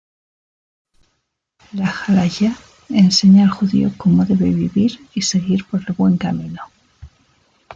La Halajá enseña al judío como debe vivir y seguir por el buen camino.